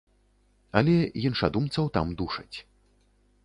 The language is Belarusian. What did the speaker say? Але іншадумцаў там душаць.